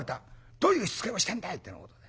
どういう躾をしてんだいってなことで。